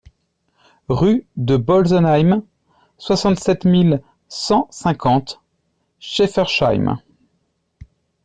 Rue de Bolsenheim, soixante-sept mille cent cinquante Schaeffersheim